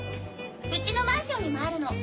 うちのマンションにもあるの。